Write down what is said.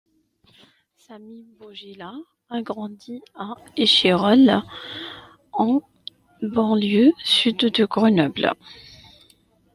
Sami Bouajila a grandi à Échirolles en banlieue sud de Grenoble.